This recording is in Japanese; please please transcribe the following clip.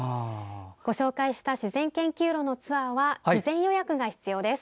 ご紹介した自然研究路のツアーは事前予約が必要です。